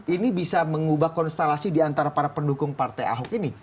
ini bisa mengubah konstelasi diantara para pendukung partai ahok ini